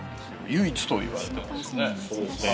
唯一といわれてますよね。